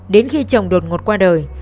đến khi chồng đột ngột qua đời